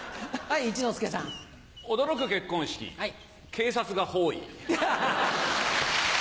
警察が包囲。